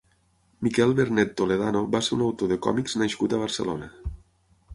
Miquel Bernet Toledano va ser un autor de còmics nascut a Barcelona.